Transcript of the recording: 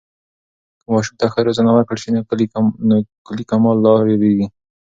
که ماشوم ته ښه روزنه ورکړل سي، نو کلی کمال لا ډېرېږي.